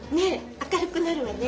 明るくなるわね。